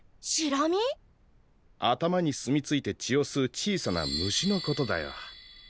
頭に住み着いて血を吸う小さな虫のことだよ。